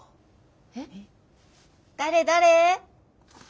えっ誰誰？